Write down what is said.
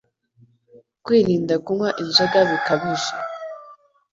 kwirinda kunywa inzoga bikabije